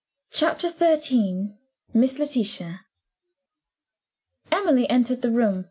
CHAPTER XIII. MISS LETITIA. Emily entered the room.